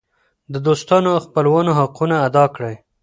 د دوستانو او خپلوانو حقونه ادا کړئ.